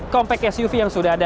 compact suv yang sudah ada